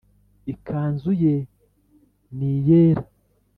ikanzu ye ni yera